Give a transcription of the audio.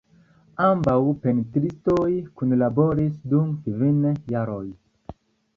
Ambaŭ pentristoj kunlaboris dum kvin jaroj.